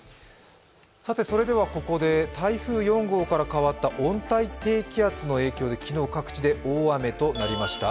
それではここで台風４号から変わった温帯低気圧の影響で昨日、各地で大雨となりました。